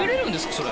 それ。